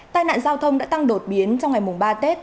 tài nạn giao thông đã tăng đột biến trong ngày ba tết